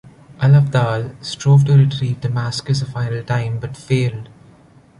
Al-Afdal strove to retrieve Damascus a final time, but failed.